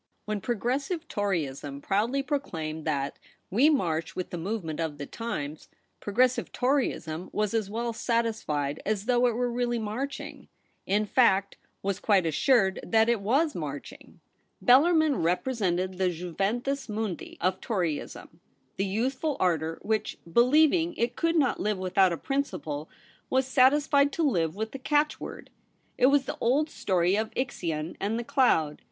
When Progressive Toryism proudly pro claimed that ' we march with the movement of the times,' Progressive Toryism was as well satisfied as though it were really march ing ; in fact, was quite assured that it was marching. Bellarmin represented the ju ventus mundi of Toryism ; the youthful ardour which, believing it could not live with out a principle, was satisfied to live with a catch word. It was the old story of Ixion and the cloud.